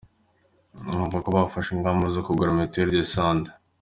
Abo bavuga ko bafashe ingamba zo kugura Mituelle de santé.